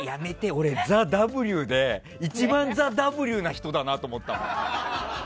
俺、「ＴＨＥＷ」で一番「ＴＨＥＷ」な人だなって思ったもん。